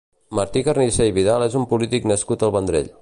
Martí Carnicer i Vidal és un polític nascut al Vendrell.